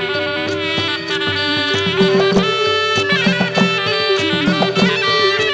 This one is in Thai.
โปรดติดตามต่อไป